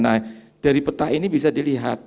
nah dari peta ini bisa dilihat